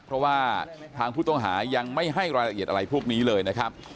เพราะว่าทางผู้ต้องหายังไม่ให้รายละเอียดอะไรพวกนี้เลยนะครับ